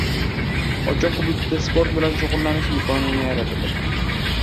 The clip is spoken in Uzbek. Ochiq hududda sport bilan shug'ullanish imkoni yaratiladi.